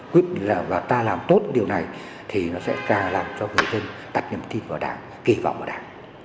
quyết định là ta làm tốt điều này thì nó sẽ làm cho người dân đặt nhầm tin vào đảng kỳ vọng vào đảng